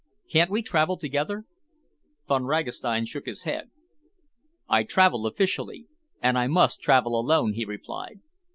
Can't we travel together?" Von Ragastein shook his head. "I travel officially, and I must travel alone," he replied.